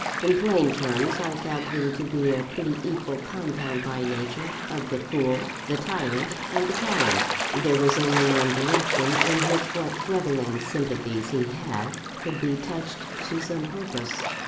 In plain terms, I found him to be a pretty equal compound by nature, of the fool, the tyrant, and the coward. There was only one direction in which what grovelling sympathies he had, could be touched to some purpose.